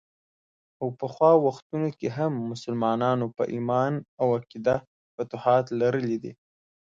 او پخوا وختونو کې هم مسلمانانو په ايمان او عقیده فتوحات لرلي دي.